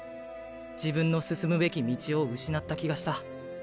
自分の進むべき道を失った気がした。